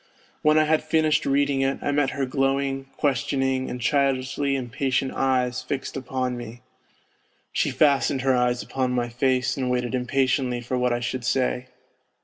When I had finished reading it I met her glowing, questioning, and childishly impatient eyes fixed upon me. She fastened her 134 NOTES FROM UNDERGROUND eyes upon my face and waited impatiently for what I should say.